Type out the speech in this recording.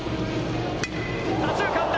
左中間だ！